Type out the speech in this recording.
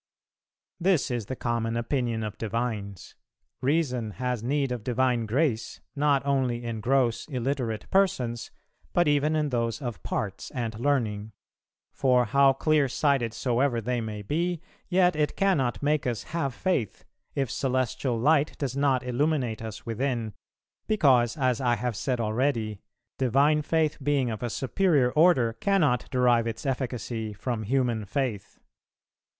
"This is the common opinion of divines. Reason has need of divine grace, not only in gross, illiterate persons, but even in those of parts and learning; for how clear sighted soever that may be, yet it cannot make us have Faith, if celestial light does not illuminate us within, because, as I have said already, divine Faith being of a superior order cannot derive its efficacy from human faith."